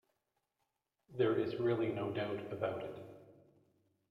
There is really no doubt about it.